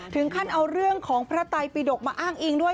ถึงขั้นเอาเรื่องของพระไตปิดกมาอ้างอิงด้วย